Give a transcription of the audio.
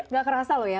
nggak kerasa lo ya